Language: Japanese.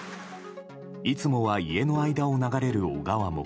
いつもは家の間を流れる小川も。